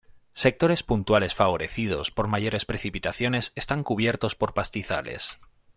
Sectores puntuales favorecidos por mayores precipitaciones están cubiertos por pastizales.